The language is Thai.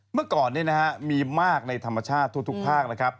เมื่อก่อนมีมากในธรรมชาติทุกภาคนะครับ